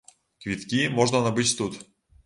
Квіткі можна набыць тут.